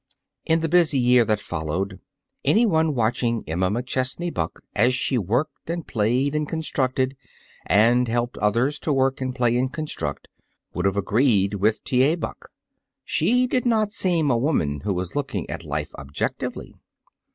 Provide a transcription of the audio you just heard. In the busy year that followed, anyone watching Emma McChesney Buck as she worked and played and constructed, and helped others to work and play and construct, would have agreed with T. A. Buck. She did not seem a woman who was looking at life objectively.